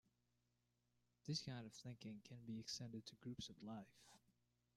This kind of thinking can be extended to groups of life.